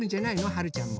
はるちゃんも。